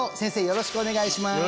よろしくお願いします